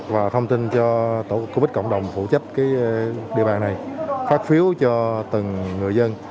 và thông tin cho tổ quốc tịch cộng đồng phụ trách cái địa bàn này phát phiếu cho từng người dân